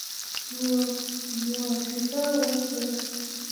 موافقه وکړه.